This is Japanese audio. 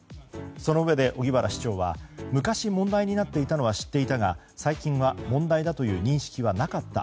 そのうえで、荻原市長は昔問題になっていたのは知っていたが最近は問題だという認識はなかった。